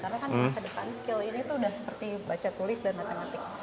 karena kan masa depan skill ini tuh udah seperti baca tulis dan matematik